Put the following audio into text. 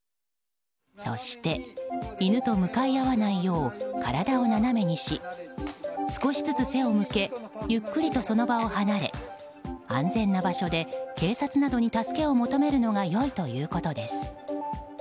そして犬と向かい合わないよう体を斜めにし少しずつ背を向けゆっくりとその場を離れ安全な場所で警察などに助けを求めるのが良いということです。